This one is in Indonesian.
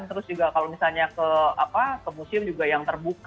terus juga kalau misalnya ke apa ke museum juga yang terbuka gitu